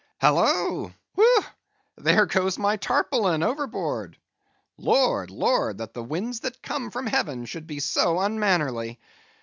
Halloa! whew! there goes my tarpaulin overboard; Lord, Lord, that the winds that come from heaven should be so unmannerly!